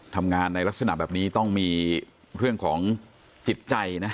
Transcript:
ทำงานในลักษณะแบบนี้ต้องมีเรื่องของจิตใจนะ